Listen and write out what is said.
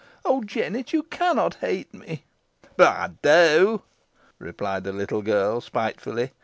Oh! Jennet, you cannot hate me." "Boh ey do," replied the little girl, spitefully.